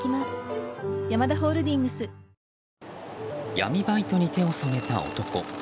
闇バイトに手を染めた男。